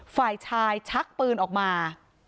ฝ่ายชายชักปืนออกมา